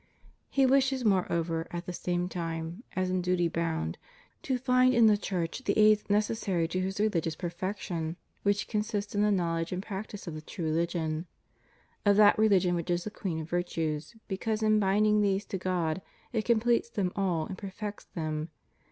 He wishes moreover at the same time, as in duty bound, to find in the Church the aids necessary to his religious perfection, which consists in the knowledge and practice of the true religion; of that religion which is the queen of virtues, because in binding these to God it completes them all and perfects them.